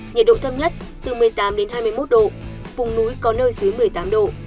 nhiệt độ thấp nhất từ một mươi tám hai mươi một độ vùng núi có nơi dưới một mươi tám độ